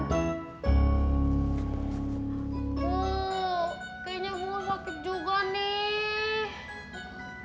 tuh kayaknya bunga sakit juga nih